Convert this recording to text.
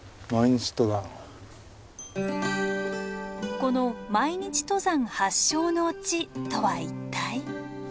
この毎日登山発祥の地とは一体？